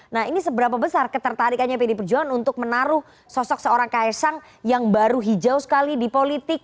nah ini seberapa besar ketertarikannya pdi perjuangan untuk menaruh sosok seorang ksang yang baru hijau sekali di politik